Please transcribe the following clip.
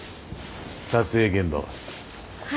撮影現場は。